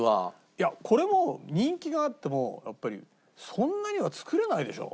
いやこれも人気があってもやっぱりそんなには作れないでしょう。